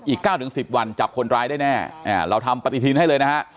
อีก๙๑๐วันจับคนร้ายได้แน่เราทำปฏิทินให้เลยนะฮะ